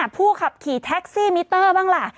ผู้ขับขี่แท็กซี่มิเตอร์บ้างล่ะ